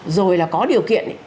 rồi là có điều kiện